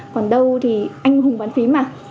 còn đâu thì anh hùng bàn phím à